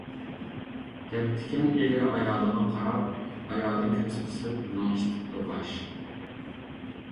دەپتىكەن ئېرى ئايالغا قاراپ، ئايالى كۆز قىسىپ لىڭشىتىپتۇ باش.